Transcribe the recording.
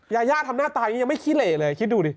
ยาทำหน้าตายุ่งยังไม่คิด